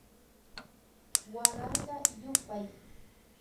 Waranka yupay